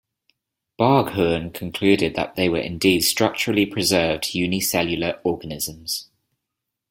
Barghoorn concluded that they were indeed structurally preserved unicellular organisms.